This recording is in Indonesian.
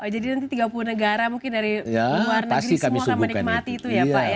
jadi nanti tiga puluh negara mungkin dari luar negeri semua akan menikmati itu ya pak ya